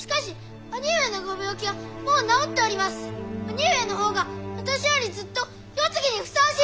兄上の方が私よりずっと世継ぎにふさわしい！